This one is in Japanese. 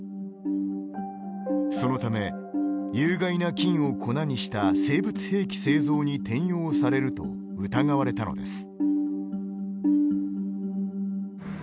そのため有害な菌を粉にした生物兵器製造に転用されると疑われたのです。